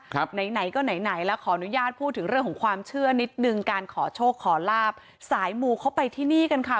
ไหนไหนก็ไหนไหนแล้วขออนุญาตพูดถึงเรื่องของความเชื่อนิดนึงการขอโชคขอลาบสายมูเข้าไปที่นี่กันค่ะ